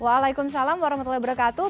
waalaikumsalam warahmatullahi wabarakatuh